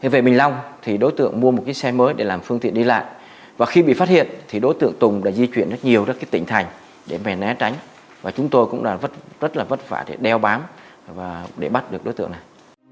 về bình long thì đối tượng mua một cái xe mới để làm phương tiện đi lại và khi bị phát hiện thì đối tượng tùng đã di chuyển rất nhiều ra cái tỉnh thành để né tránh và chúng tôi cũng rất là vất vả để đeo bám và để bắt được đối tượng này